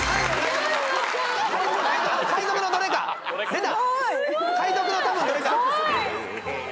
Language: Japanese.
・出た！